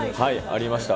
ありました。